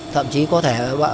thậm chí có thể